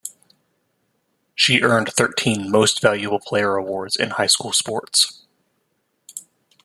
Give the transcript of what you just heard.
She earned thirteen Most Valuable Player awards in high school sports.